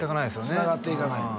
つながっていかないのよ